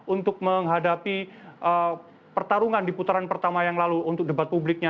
untuk menghadapi pertarungan di putaran pertama yang lalu untuk debat publiknya